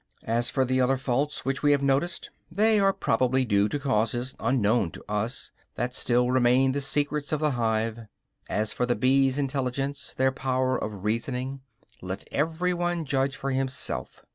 As for the other faults which we have noticed, they are probably due to causes unknown to us, that still remain the secrets of the hive. As for the bees' intelligence, their power of reasoning, let every one judge for himself.